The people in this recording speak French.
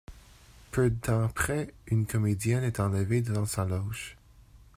Peu de temps après, une comédienne est enlevée dans sa loge.